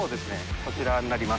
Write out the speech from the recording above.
こちらになります。